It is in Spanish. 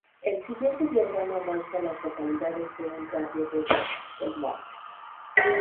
El siguiente diagrama muestra a las localidades en un radio de de Belmont.